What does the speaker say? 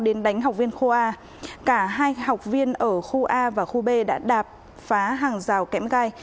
đến đánh học viên khu a cả hai học viên ở khu a và khu b đã đạp phá hàng rào kẽm gai